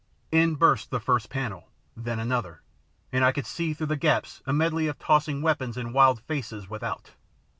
In burst the first panel, then another, and I could see through the gaps a medley of tossing weapons and wild faces without.